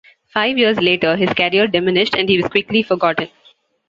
Five years later, his career diminished and he was quickly forgotten.